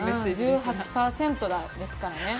１８％ですからね。